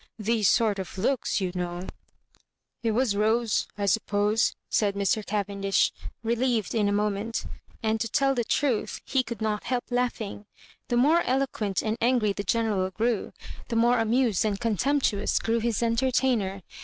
These sort of looks, you know "*' It was Rose, I suppose," said Mr. Cavendish, relieved in a moment ; and, to tell the truth, he could not help laughing. The more eloquent and angry the General grew, the more amused and contemptuous grew his entertainer.